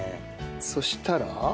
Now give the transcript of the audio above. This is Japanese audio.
そうしたら？